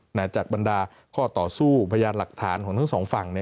หลังจากบรรดาข้อต่อสู้พยานหลักฐานของทั้งสองฝั่ง